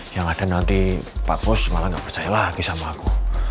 yang ada nanti pak pus malah nggak percaya lagi sama aku